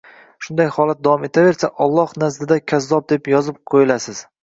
Shunday holat davom etaversa, Alloh nazdida “kazzob” deb yozib qo‘yilasiz.